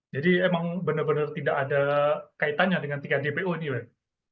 jadi emang benar benar tidak ada kaitannya dengan ketiga dpo ini pak